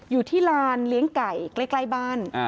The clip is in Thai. อยู่ที่ลานเลี้ยงไก่ใกล้บ้าน